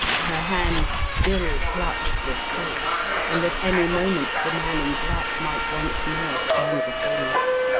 Her hand still clutched the silk, and at any moment the man in black might once more stand before me.